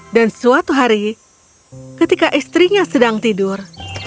dan suatu hari ketika istrinya sedang tidur